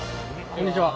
こんにちは。